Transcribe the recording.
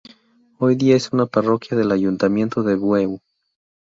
Hoy día es una parroquia del ayuntamiento de Bueu.